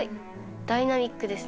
ダイナミックですね。